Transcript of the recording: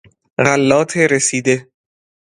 غلات رسیده